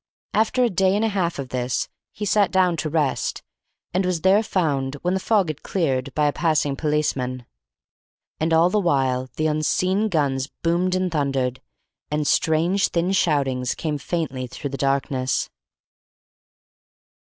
After a day and a half of this he sat down to rest, and was there found, when the fog had cleared, by a passing policeman. And all the while the unseen guns boomed and thundered, and strange, thin shoutings came faintly through the darkness.